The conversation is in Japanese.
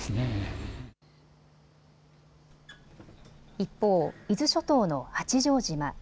一方、伊豆諸島の八丈島。